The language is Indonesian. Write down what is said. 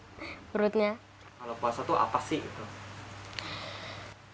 kalau puasa tuh apa sih gitu